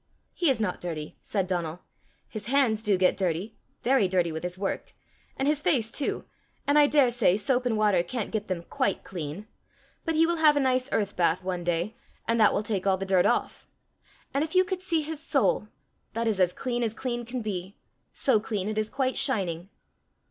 "He is not dirty," said Donal. "His hands do get dirty very dirty with his work and his face too; and I daresay soap and water can't get them quite clean. But he will have a nice earth bath one day, and that will take all the dirt off. And if you could see his soul that is as clean as clean can be so clean it is quite shining!"